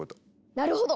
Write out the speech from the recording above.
なるほど！